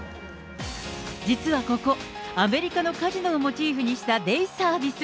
実はここ、アメリカのカジノをモチーフにしたデイサービス。